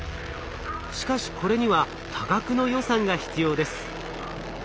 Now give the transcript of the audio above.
しかしこれには多額の予算が必要です。